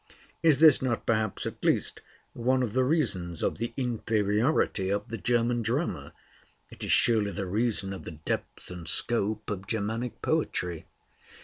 Is this not perhaps at least one of the reasons of the inferiority of the German drama? It is surely the reason of the depth and scope of Germanic poetry.